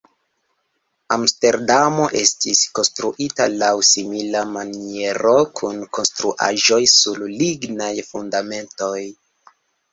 Amsterdamo estis konstruita laŭ simila maniero, kun konstruaĵoj sur lignaj fundamentoj.